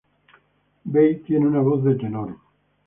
Bay tiene una voz de tenor.